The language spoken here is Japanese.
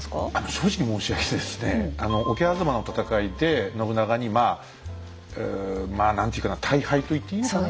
正直申し上げてですね桶狭間の戦いで信長にまあまあ何ていうかな大敗と言っていいのかな。